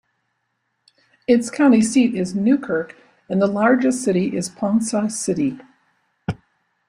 Its county seat is Newkirk, and the largest city is Ponca City.